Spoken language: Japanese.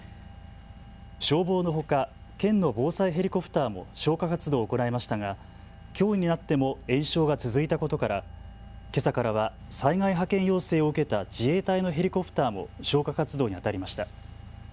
消防のほか県の防災ヘリコプターも消火活動を行いましたがきょうになっても延焼が続いたことからけさからは災害派遣要請を受けた自衛隊のヘリコプターも消火活動にあたりました。